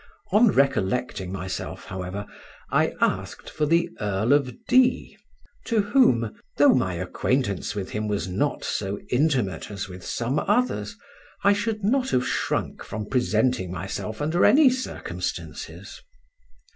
On recollecting myself, however, I asked for the Earl of D——, to whom (though my acquaintance with him was not so intimate as with some others) I should not have shrunk from presenting myself under any circumstances.